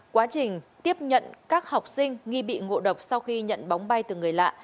quá trình tiếp nhận các học sinh nghi bị ngộ độc sau khi nhận bóng bay từ người lạ